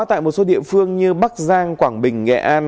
tại một số địa phương như bắc giang quảng bình nghệ an